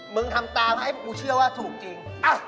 มึงทำตามให้คุณเชื่อว่าถูกอีก